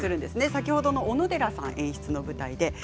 先ほどの小野寺さん演出の舞台です。